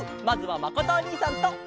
まずはまことおにいさんと！